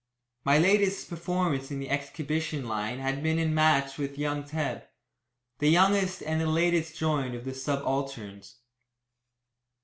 My latest performance in the exhibition line had been in a match with young Tebb, the youngest and the latest joined of the subalterns.